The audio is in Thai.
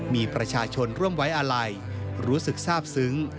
มีประชาชนร่วมไว้อาลัยรู้สึกทราบซึ้ง